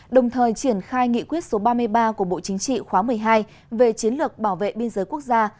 đồng thời triển khai nghị quyết số ba mươi ba của bộ chính trị khóa một mươi hai về chiến lược bảo vệ biên giới quốc gia